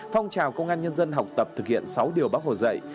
phong trào công an nhân dân học tập thực hiện sáu điều bác hồ dạy